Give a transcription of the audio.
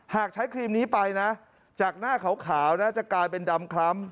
หากใช้ครีมนี้ไปนะจากหน้าขาวนะจะกลายเป็นดำคล้ำ